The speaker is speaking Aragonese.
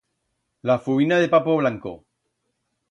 La fuina de papo blanco.